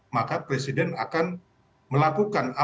maka presiden akan melakukan apa saja